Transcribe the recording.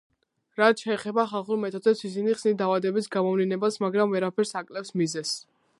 რაც შეეხება ხალხურ მეთოდებს, ისინი ხსნის დაავადების გამოვლინებას, მაგრამ ვერაფერს აკლებს მიზეზს.